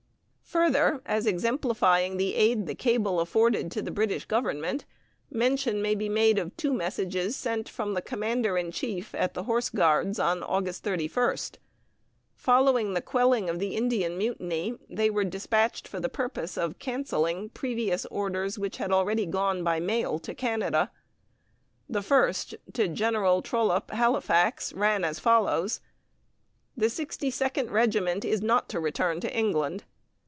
Further, as exemplifying the aid the cable afforded to the British Government, mention may be made of two messages sent from the commander in chief at the Horse Guards, on August 31st. Following the quelling of the Indian mutiny, they were despatched for the purpose of canceling previous orders which had already gone by mail to Canada. The first, to General Trollope, Halifax, ran as follows: "The Sixty second Regiment is not to return to England."